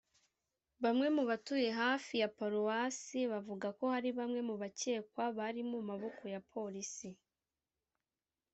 Bamwe mu batuye hafi ya Paruwasi bavuga ko hari bamwe mu bakekwa bari mu maboko ya Polisi